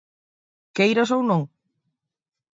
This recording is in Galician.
Queiras ou non.